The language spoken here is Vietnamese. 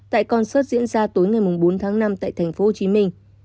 tại concert diễn ra tối ngày bốn tháng năm tại tp hcm